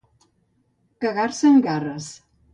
Cagar-se en garres.